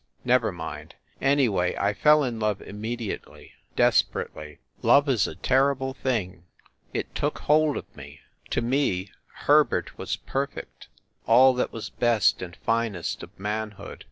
... never mind! ... Anyway, I fell in love immediately, desperately. Love is a ter rible thing ... it took hold of me. ... To me Herbert was perfect all that was best and finest of manhood.